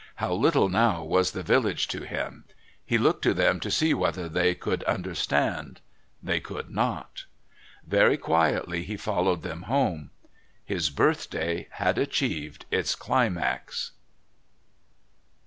How little now was the Village to him. He looked at them to see whether they could understand. They could not. Very quietly he followed them home. His birthday had achieved its climax...